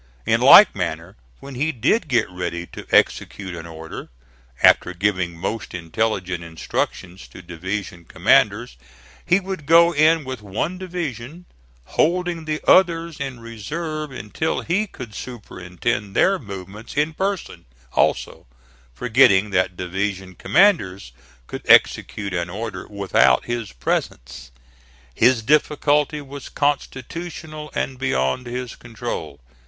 In like manner, when he did get ready to execute an order, after giving most intelligent instructions to division commanders, he would go in with one division, holding the others in reserve until he could superintend their movements in person also, forgetting that division commanders could execute an order without his presence. His difficulty was constitutional and beyond his control.